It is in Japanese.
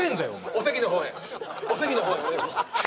お席の方へお席の方へお願いします